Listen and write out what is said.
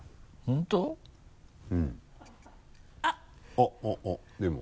あっあっでも。